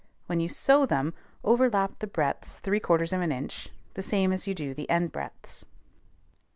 When you sew them, overlap the breadths 3/4 of an inch the same as you do the end breadths.